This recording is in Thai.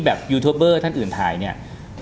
ยูทูปเบอร์ท่านอื่นถ่ายเนี่ย